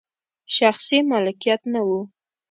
شخصي مالکیت نه و.